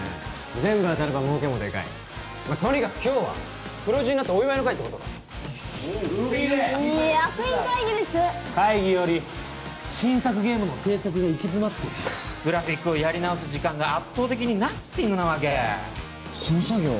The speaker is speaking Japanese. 全部当たれば儲けもデカいまっとにかく今日は黒字になったお祝いの会ってことでよしっ役員会議です会議より新作ゲームの制作が行き詰まっててグラフィックをやり直す時間が圧倒的にナッシングなわけその作業